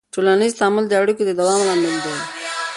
ټولنیز تعامل د اړیکو د دوام لامل دی.